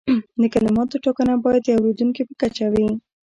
د کلماتو ټاکنه باید د اوریدونکي په کچه وي.